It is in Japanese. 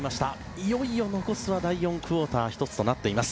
いよいよ残すは第４クオーター１つとなっています。